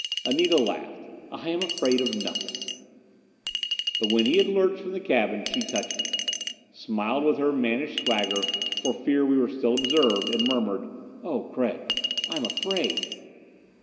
Anita laughed. "I am afraid of nothing." But when he had lurched from the cabin she touched me. Smiled with her mannish swagger, for fear we were still observed, and murmured: "Oh, Gregg, I am afraid!"